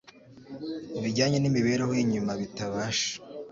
bijyanye n’imibereho y’inyuma bitabasha